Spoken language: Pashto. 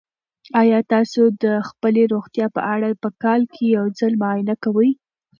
آیا تاسو د خپلې روغتیا په اړه په کال کې یو ځل معاینه کوئ؟